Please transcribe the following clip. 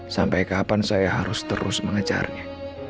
sampai kapan saya harus terus mengejarnya